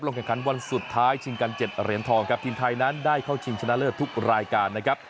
แข่งขันวันสุดท้ายชิงกัน๗เหรียญทองครับทีมไทยนั้นได้เข้าชิงชนะเลิศทุกรายการนะครับ